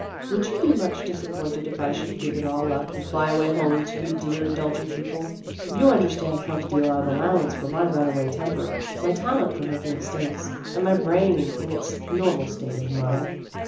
Would you be much disappointed if I should give it all up, and fly away home to you dear indulgent people ? You understand how to deal out allowance for my runaway temper, my talent for making mistakes, and my brain in its ' normal state of muddle.'